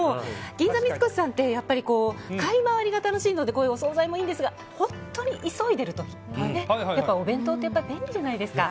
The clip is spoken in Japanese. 銀座三越さんって買い回りが楽しいのでお総菜もいいんですが本当に急いでいる時はお弁当って便利じゃないですか。